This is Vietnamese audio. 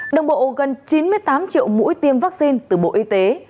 đồng bộ gần chín mươi tám triệu mũi tiêm vaccine từ bộ y tế